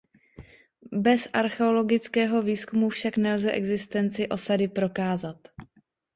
Bez archeologického výzkumu však nelze existenci osady prokázat.